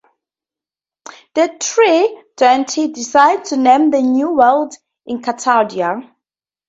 The three deities decided to name the new world Encantadia.